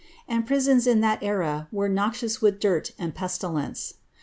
And prisons in that era were noxious with dirt and Mnilence.